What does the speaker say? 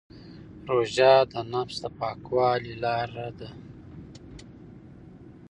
روژه د نفس د پاکوالي لاره ده.